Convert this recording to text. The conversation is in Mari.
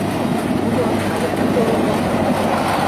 Тудо але тудо огыл?